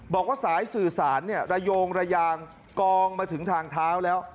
บอกว่าสายสื่อสารระโยงระยางกองมาถึงทางเท้าแล้ว